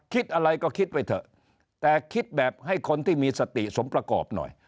คิดอะไรก็คิดไปเถอะแต่คิดแบบให้คนที่มีสติสมประกอบหน่อย